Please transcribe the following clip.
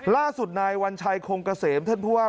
ล่าสุดนายวัญชัยคงเกษมท่านผู้ว่า